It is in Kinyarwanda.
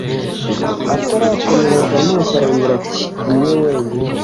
……….atarakomeza damas arongera ati: niwe nyine,